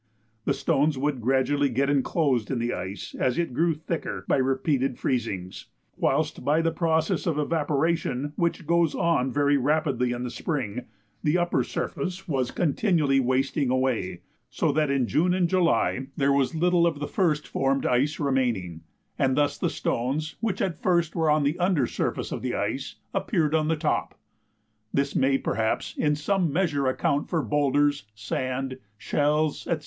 The stones would get gradually enclosed in the ice as it grew thicker by repeated freezings, whilst by the process of evaporation, which goes on very rapidly in the spring, the upper surface was continually wasting away, so that in June and July there was little of the first formed ice remaining, and thus the stones which at first were on the under surface of the ice appeared on the top. This may perhaps in some measure account for boulders, sand, shells, &c.